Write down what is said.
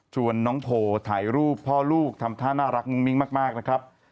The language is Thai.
น้องโพถ่ายรูปพ่อลูกทำท่าน่ารักมุ่งมิ้งมากนะครับ